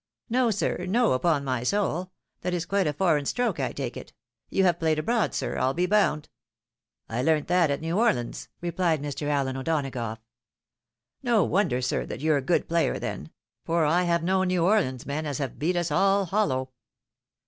" No, sir ! No, upon my soul ! That is qtiite a foreign stroke, I take it, — you have played abroad, sir, I'll be bound." " I learnt that at New Orleans," replied Mr. Allen O'Dona gough. " No wonder, sir, that you're a good player, then ; for I have known New Orleans men as have beat us all hollow."